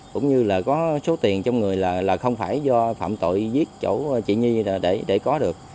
cũng như là có số tiền trong người là không phải do phạm tội giết chủ chị nhi để có được